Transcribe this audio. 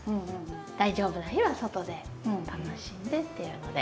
大丈夫な日は外で楽しんでっていうので。